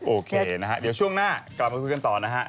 โอเคนะฮะเดี๋ยวช่วงหน้ากลับมาคุยกันต่อนะฮะ